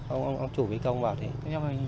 ông chủ huy công bảo thì